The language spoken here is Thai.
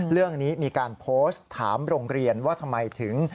เรื่องนี้มีการโพสต์ถามโรงเรียนว่าทำไมถึง